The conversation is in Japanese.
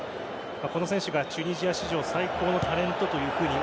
この選手がチュニジア史上最高のタレントというふうに。